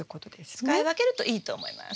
使い分けるといいと思います。